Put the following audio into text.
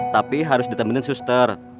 tapi harus ditemani suster